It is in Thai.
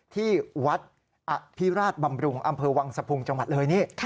ที่วัดอภิราชบำรุงอำเภอวังสะพุงจังหวัดเลยนี่